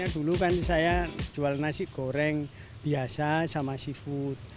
dulu kan saya jual nasi goreng biasa sama seafood